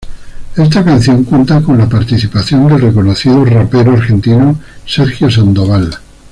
Esta canción cuenta con la participación del reconocido rapero argentino Sergio Sandoval.